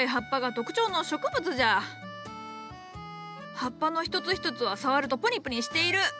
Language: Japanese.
葉っぱの一つ一つは触るとプニプニしている。